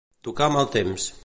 Tocar a mal temps.